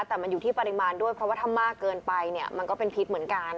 แต่มันอยู่ที่ปริมาณด้วยเพราะว่าถ้ามากเกินไปเนี่ยมันก็เป็นพิษเหมือนกัน